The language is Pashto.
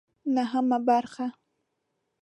نهمه برخه